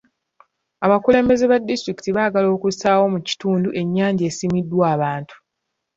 Abakulembeze ba disitulikiti baagala kussaawo mu kitundu ennyanja esimiddwa abantu.